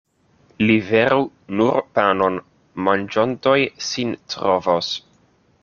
Liveru nur panon, manĝontoj sin trovos.